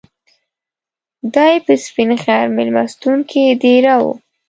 دای په سپین غر میلمستون کې دېره و.